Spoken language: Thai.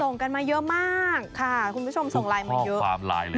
ส่งกันมาเยอะมากค่ะคุณผู้ชมส่งไลน์มาเยอะ